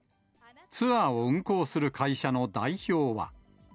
ツアーを運行する会社の代表は。